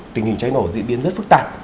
tình hình cháy nổ diễn biến rất phức tạp